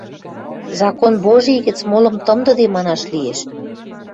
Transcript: «закон божий» гӹц молым тымдыде, манаш лиэш.